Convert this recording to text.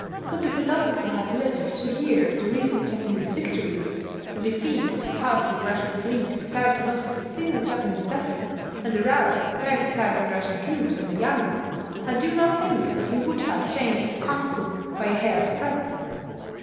Could the philosopher have lived to hear of the recent Japanese victories, the defeat of a powerful Russian fleet without the loss of a single Japanese vessel, and the rout of thirty thousand Russian troops on the Yalu, I do not think that he would have changed his counsel by a hair's breadth.